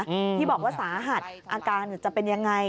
อืมที่บอกว่าสาหัสอาการจะเป็นยังไง